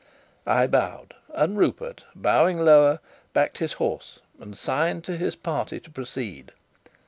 I bowed; and Rupert, bowing lower, backed his horse and signed to his party to proceed.